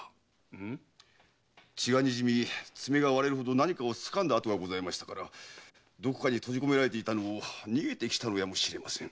血がにじみ爪が割れるほど何か掴んだ跡がありましたからどこかに閉じこめられていたのを逃げてきたのやもしれません。